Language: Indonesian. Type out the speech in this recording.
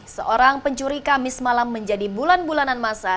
seorang pencuri kamis malam menjadi bulan bulanan masa